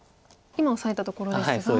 今オサえたところですが。